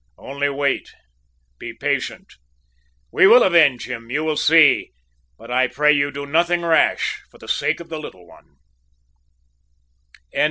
Only wait; be patient. We will avenge him, you will see, but I pray you do nothing rash, for the sake of the little one.'"